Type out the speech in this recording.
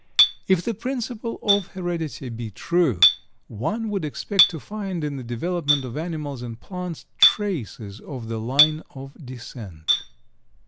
If the principle of heredity be true, one would expect to find in the development of animals and plants, traces of the line of descent.